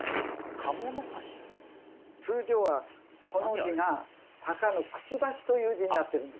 通常はこの字が鷹の嘴という字になってるんですよ。